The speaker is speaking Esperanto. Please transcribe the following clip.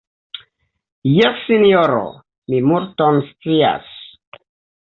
Jes, sinjoro, mi multon scias.